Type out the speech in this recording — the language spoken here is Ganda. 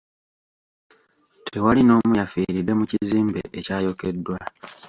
Tewali n'omu yafiiridde mu kizimbe ekyayokeddwa.